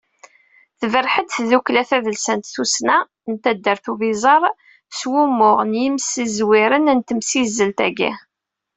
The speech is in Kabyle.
Tberreḥ-d, tddukkla tadelsant "Tussna" n taddart n Ubiẓar, s wumuɣ n yimsizewren n temsizzelt-agi.